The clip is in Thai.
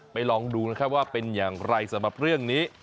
ลองดูนะครับว่าเป็นอย่างไรสำหรับเรื่องนี้